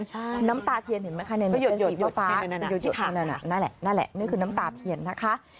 ใช่น้ำตาเทียนเห็นไหมคะเป็นสีฟ้านั่นแหละนั่นแหละนี่คือน้ำตาเทียนนะคะ